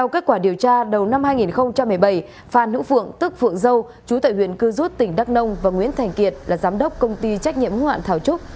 chú tại huyện cư rút tỉnh đắk nông và nguyễn thành kiệt là giám đốc công ty trách nhiệm hoạn thảo trúc